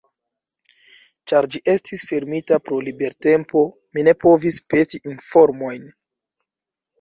Ĉar ĝi estis fermita pro libertempo, mi ne povis peti informojn.